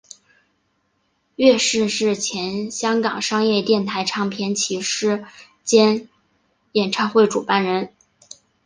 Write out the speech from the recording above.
乐仕是前香港商业电台唱片骑师兼演唱会主办人。